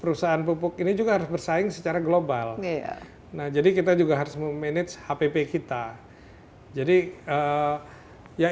perusahaan pupuk ini juga harus bersaing secara global nah jadi kita juga harus memanage hpp kita jadi ya